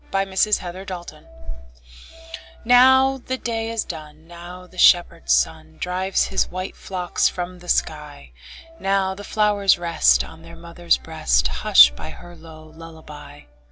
Louisa May Alcott Lullaby NOW the day is done, Now the shepherd sun Drives his white flocks from the sky; Now the flowers rest On their mother's breast, Hushed by her low lullaby.